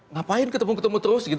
ngapain ketemu ketemu terus gitu